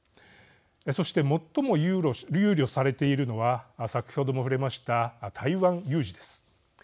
そして、最も憂慮されているのは先ほども触れました台湾有事です。